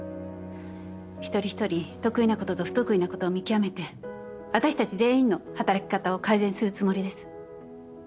一人一人得意なことと不得意なことを見極めて私たち全員の働き方を改善するつもりです。